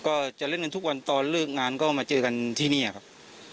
ก็จะเล่นกันทุกวันตอนเลิกงานก็มาเจอกันที่นี่ครับ